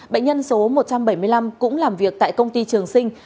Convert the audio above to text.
bệnh nhân số một trăm bảy mươi năm cũng làm việc tại công ty trường sinh